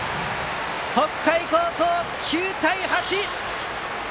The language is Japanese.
北海高校、９対８！